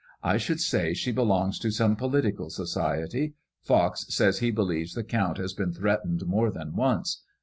^'I should say she belongs to some political society. Pox says he believes the Count has been threatened more than once.